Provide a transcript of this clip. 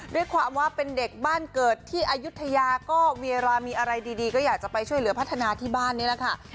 ด้วยความว่าเป็นเด็กบ้านเกิดที่อายุทยาก็เวลามีอะไรดีก็อยากจะไปช่วยเหลือพัฒนาที่บ้านนี้แหละค่ะ